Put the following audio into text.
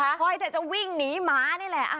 คอยแต่จะวิ่งหนีหมานี่แหละ